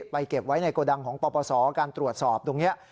เก็บไว้ในโกดังของปปศการตรวจสอบตรงนี้